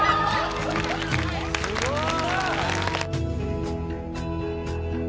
・すごい！